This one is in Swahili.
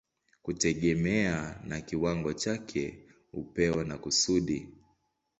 kutegemea na kiwango chake, upeo na kusudi.